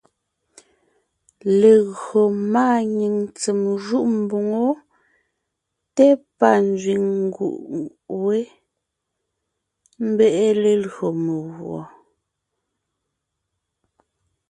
Legÿo máanyìŋ ntsèm jûʼ mboŋó té pâ nzẅìŋ nguʼ wé, ḿbe’e lelÿò meguɔ.